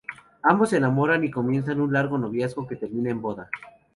Ambos se enamoran y comienzan un largo noviazgo que termina en boda.